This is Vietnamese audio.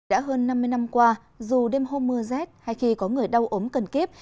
đã hơn năm mươi năm qua dù đêm hôm mưa rét hay khi có người đau ốm cần kiếp